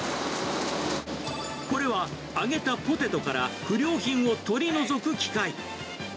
これは揚げたポテトから不良品を取り除く機械。